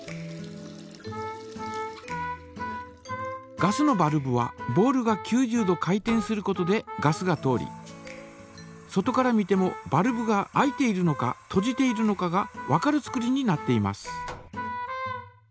ガスのバルブはボールが９０度回転することでガスが通り外から見てもバルブが開いているのかとじているのかがわかる作りになっています。